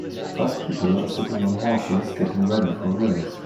Five people are sitting on horses getting ready for a race